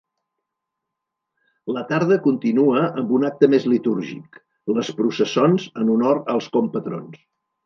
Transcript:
La tarda continua amb un acte més litúrgic, les processons en honor als compatrons.